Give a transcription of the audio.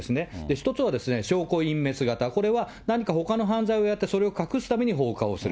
１つは証拠隠滅型、これは何かほかの犯罪をやってそれを隠すために放火をする。